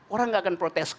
orang tidak akan protes